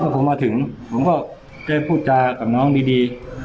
ผมมาถึงผมก็ได้พูดจากับน้องดี